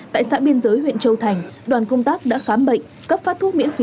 tại xã biên giới huyện châu thành đoàn công tác đã khám bệnh cấp phát thuốc miễn phí